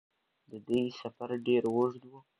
د دوی سفر ډېر اوږد و.